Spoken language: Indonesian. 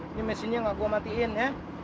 ini mesinnya gak gua matiin ya